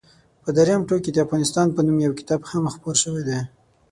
په درېیم ټوک کې د افغانستان په نوم یو کتاب هم خپور شوی دی.